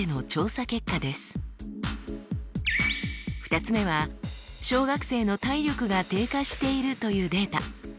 ２つ目は小学生の体力が低下しているというデータ。